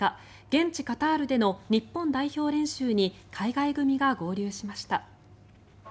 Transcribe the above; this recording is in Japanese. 現地カタールでの日本代表練習に海外組が合流しました。